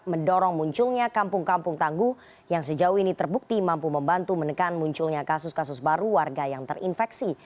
mendorong munculnya kampung kampung tangguh yang sejauh ini terbukti mampu membantu menekan munculnya kasus kasus baru warga yang terinfeksi